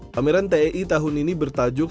pameran tei tahun ini bertajuk